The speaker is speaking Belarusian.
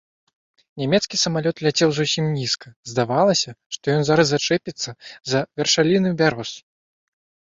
Нямецкі самалёт ляцеў зусім нізка, здавалася, што ён зараз зачэпіцца за вяршаліны бяроз.